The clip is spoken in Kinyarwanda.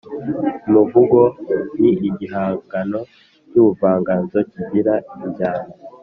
Umuvugo ni igihangano cy’ubuvanganzo kigira injyana